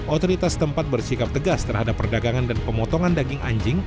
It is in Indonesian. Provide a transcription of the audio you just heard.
otoritas tempat bersikap tegas terhadap perdagangan dan pemotongan daging anjing